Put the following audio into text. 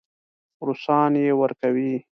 روسان یې ورکوي.